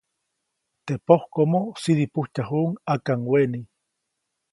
Teʼ pojkomo sidipujtyajuʼuŋ ʼakaŋweʼni.